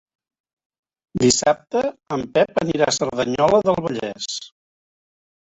Dissabte en Pep anirà a Cerdanyola del Vallès.